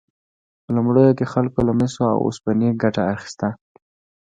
په لومړیو کې خلکو له مسو او اوسپنې ګټه اخیسته.